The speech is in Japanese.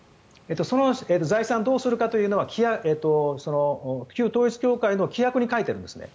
その財産をどうするかというのは旧統一教会の規約に書いてるんです。